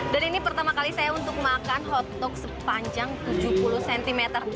dan ini pertama kali saya untuk makan hotdog sepanjang tujuh puluh cm